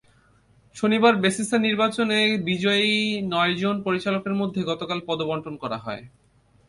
শনিবার বেসিসের নির্বাচনে বিজয়ী নয়জন পরিচালকের মধ্যে গতকাল পদবণ্টন করা হয়।